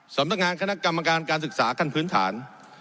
สำนักงานคณะกรรมการการศึกษาขั้นพื้นฐาน